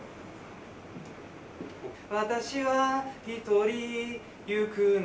「私は一人行くの」